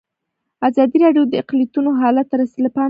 ازادي راډیو د اقلیتونه حالت ته رسېدلي پام کړی.